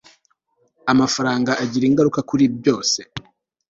amafaranga agira ingaruka kuri byose